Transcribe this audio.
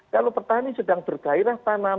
kalau petani sedang bergairah tanam